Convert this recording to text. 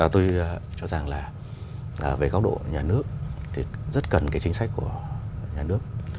tôi cho rằng là về góc độ nhà nước thì rất cần cái chính sách của nhà nước